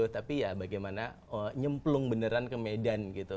tapi ya bagaimana nyemplung beneran ke medan gitu